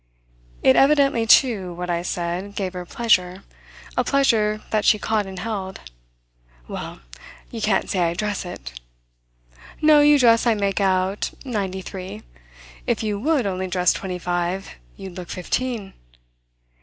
It evidently too, what I said, gave her pleasure a pleasure that she caught and held. "Well, you can't say I dress it." "No, you dress, I make out, ninety three. If you would only dress twenty five you'd look fifteen."